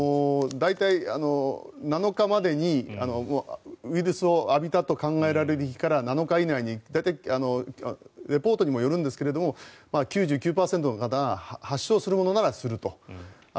大体、７日までにウイルスを浴びたと考えられる日から７日以内に大体、リポートにもよるんですが９９％の方が発症するものならすると。